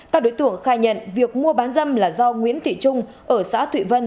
các đối tượng khai nhận việc mua bán dâm là do nguyễn thị trung ở xã thụy vân